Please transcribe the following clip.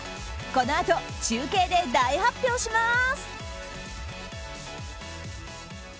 このあと中継で大発表します。